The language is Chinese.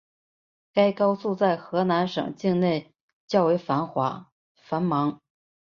该高速在河南省境内较为繁忙。